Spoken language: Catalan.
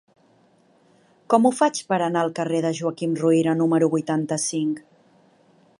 Com ho faig per anar al carrer de Joaquim Ruyra número vuitanta-cinc?